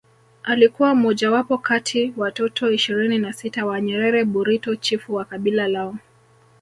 Alikuwa mojawapo kati watoto ishirini na sita wa Nyerere Burito chifu wa kabila lao